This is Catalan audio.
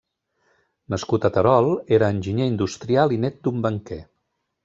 Nascut a Terol, era enginyer industrial, i nét d'un banquer.